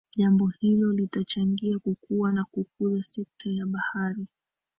Jambo hilo litachangia kukua na kukuza sekta ya bahari